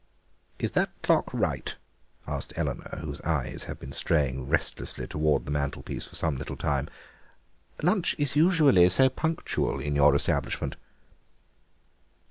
"Is that clock right?" asked Eleanor, whose eyes had been straying restlessly towards the mantel piece for some little time; "lunch is usually so punctual in your establishment."